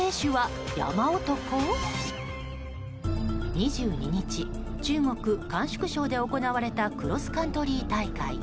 ２２日中国・甘粛省で行われたクロスカントリー大会。